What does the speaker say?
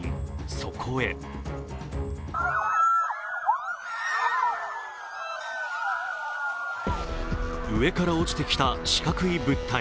そこへ上から落ちてきた四角い物体。